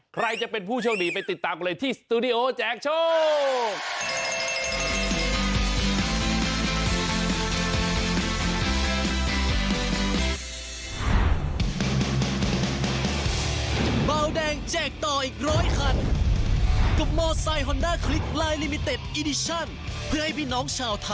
ใครจะเป็นผู้โชคดีไปติดตามกันเลยที่สตูดิโอแจกโชค